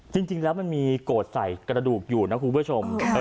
จริงจริงแล้วมันมีโกดใส่กระดูกอยู่นะครับคุณผู้ชมเออ